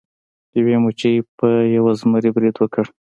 یوې مچۍ په یو زمري برید وکړ.